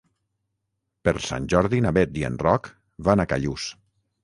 Per Sant Jordi na Bet i en Roc van a Callús.